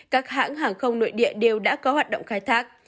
các hãng hàng không nội địa đều đã có hoạt động khai thác